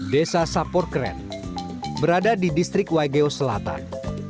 desa sapor kren berada di distrik waigeo selatan